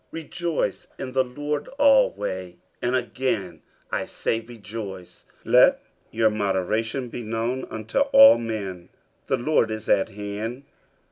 50:004:004 Rejoice in the Lord alway: and again I say, Rejoice. 50:004:005 Let your moderation be known unto all men. The Lord is at hand.